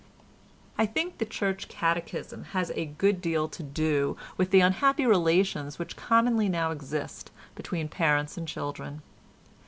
I think the Church Catechism has a good deal to do with the unhappy relations which commonly even now exist between parents and children.